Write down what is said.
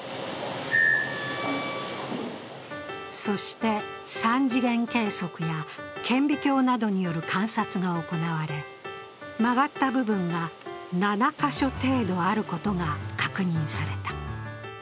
そして、３次元計測や顕微鏡などによる観察が行われ、曲がった部分が７か所程度あることが確認された。